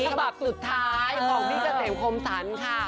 ชะแบบสุดท้ายของคุณเกษมครมสันค่ะ